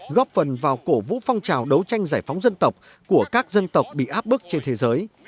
góp phần vào cổ vũ phong trào đấu tranh giải phóng dân tộc của các dân tộc bị áp bức trên thế giới